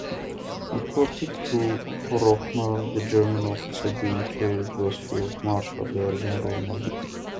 According to Rohmer, the German officer being carried was Field Marshal Erwin Rommel.